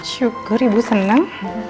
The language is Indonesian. syukur ibu senang